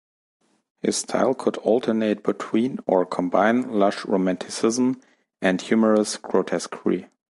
His style could alternate between, or combine, lush romanticism and humorous grotesquery.